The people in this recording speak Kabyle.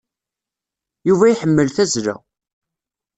Yuba iḥemmel tazla.